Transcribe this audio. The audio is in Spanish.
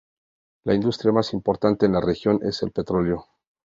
La industria más importante en la región es el petróleo.